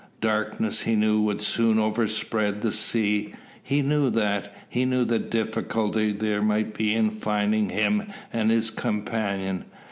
Darkness he knew would soon overspread the sea. He knew that. He knew the difficulty there might be in finding him and his companion.